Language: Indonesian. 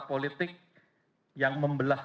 politik yang membelah